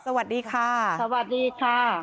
สวัสดีค่ะ